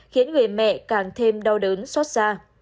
khiến người mẹ càng thêm đau đớn xót xa